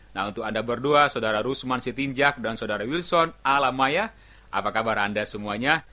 nah untuk anda berdua saudara rusman sitinjak dan saudara wilson alama apa kabar anda semuanya